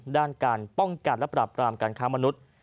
ด้านการป้องกันและปราบรามการค้ามนุษย์